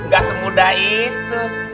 gak semudah itu